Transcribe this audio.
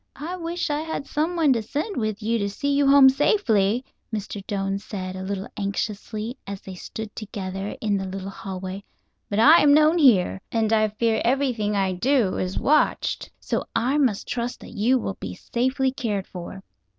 "I wish I had someone to send with you to see you home safely," Mr. Doane said, a little anxiously, as they stood together in the little hallway. "But I am known here, and I fear everything I do is watched. So I must trust that you will be safely cared for."